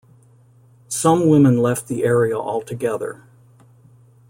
Some women left the area altogether.